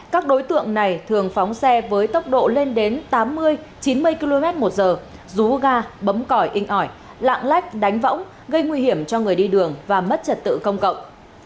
các đối tượng này thường phóng xe với tốc độ lên đến tám mươi chín mươi km một giờ rú ga bấm còi inh ỏi lạng lách đánh võng gây nguy hiểm cho người đi đường và mất trật tự công cộng